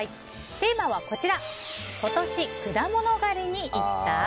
テーマは今年果物狩りに行った？